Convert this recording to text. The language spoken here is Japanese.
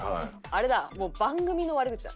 あれだもう番組の悪口だ。